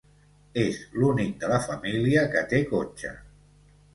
És l'únic de la família que té cotxe.